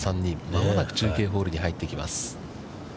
間もなく中継ホールに入ってきます。